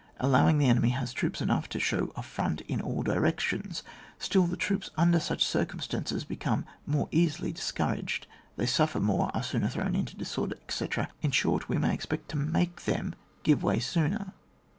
Allowing that the enemy has troops enough to show a frt)nt in aU directions, still the troops, under such circimistances, become more easily dis couraged ; they suffer more, are sooner thrown into disorder, etc.; in short, we may expect to make them give way sooner.